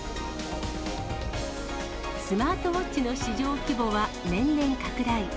スマートウォッチの市場規模は年々拡大。